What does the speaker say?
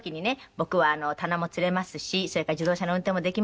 「僕は棚も吊れますしそれから自動車の運転もできますから」